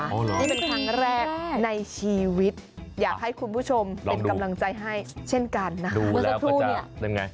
นี่เป็นครั้งแรกในชีวิตอยากให้คุณผู้ชมเป็นกำลังใจให้เช่นกันนะ